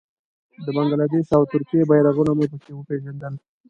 د بنګله دېش او ترکیې بېرغونه مې په کې وپېژندل.